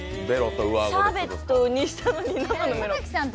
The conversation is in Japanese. シャーベットにしたのに生のメロン。